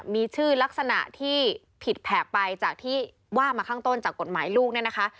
มีชื่อลักษณะที่ผิดแผกไปจากที่ว่ามาข้างต้นจากกฎหมายลูกเนี่ยนะคะ